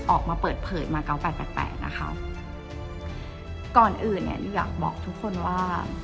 ออกมาเปิดเผยมาเก้าแปดแปดแปดนะคะก่อนอื่นเนี่ยอยากบอกทุกคนว่า